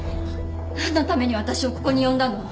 何のために私をここに呼んだの？